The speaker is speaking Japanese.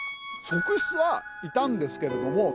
側室はいたんですけれどもたくさん。